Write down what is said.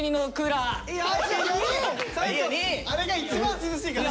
あれが一番涼しいから！